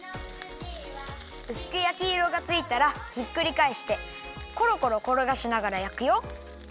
うすくやきいろがついたらひっくりかえしてころころころがしながらやくよ。